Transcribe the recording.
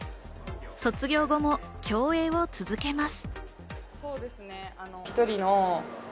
卒業後も競泳をし続けます。